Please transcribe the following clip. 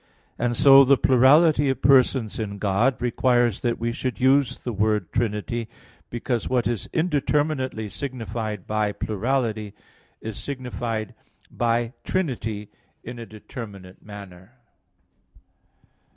And so the plurality of persons in God requires that we should use the word trinity; because what is indeterminately signified by plurality, is signified by trinity in a determinate manner.